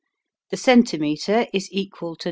The Centimetre is equal to 0.